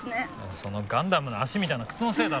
そのガンダムの足みたいな靴のせいだろ。